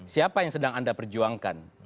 siapa yang sedang anda perjuangkan